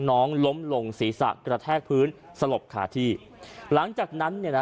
น้องล้มลงศีรษะกระแทกพื้นสลบขาดที่หลังจากนั้นเนี่ยนะ